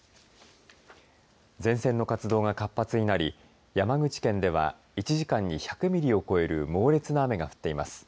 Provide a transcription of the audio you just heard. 前線の活動が活発になり山口県では、１時間に１００ミリを超える猛烈な雨が降っています。